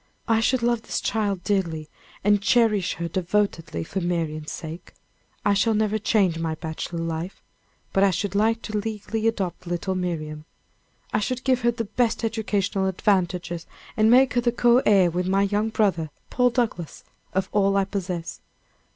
I should love this child dearly, and cherish her devotedly for Marian's sake. I shall never change my bachelor life but I should like to legally adopt little Miriam. I should give her the best educational advantages, and make her the co heir with my young brother, Paul Douglass, of all I possess.